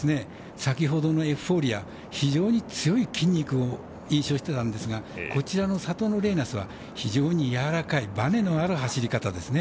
先ほどのエフフォーリア、非常に強い筋肉の印象だったんですがこちらのサトノレイナスは非常にやわらかいバネのある走り方ですね。